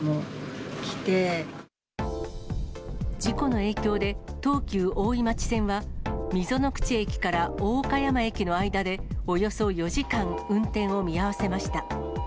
事故の影響で、東急大井町線は、溝の口駅から大岡山駅の間で、およそ４時間、運転を見合わせました。